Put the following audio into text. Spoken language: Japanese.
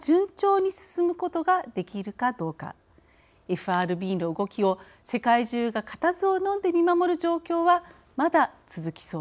ＦＲＢの動きを世界中が固唾をのんで見守る状況はまだ続きそうです。